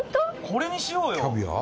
これにしようよ。